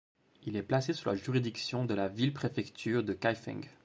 Il est placé sous la juridiction de la ville-préfecture de Kaifeng.